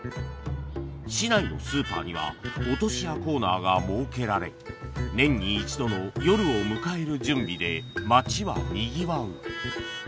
市内のスーパーにはが設けられ年に一度の夜を迎える準備で町はにぎわう